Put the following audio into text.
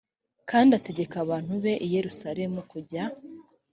kandi ategeka abantu b i yerusalemu kujya